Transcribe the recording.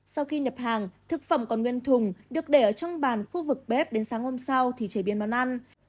sau khi nhập hàng thực phẩm còn nguyên thùng được để ở trong bàn khu vực bếp đến sáng hôm sau thì chế biến món ăn